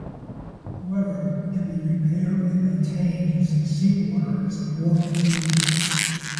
However, it can be repaired and maintained using seawater as a raw material.